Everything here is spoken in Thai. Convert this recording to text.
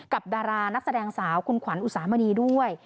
ดารานักแสดงสาวคุณขวัญอุสามณีด้วย